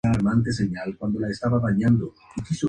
Carlos se volvió muy impopular.